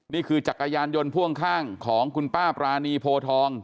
จักรยานยนต์พ่วงข้างของคุณป้าปรานีโพทอง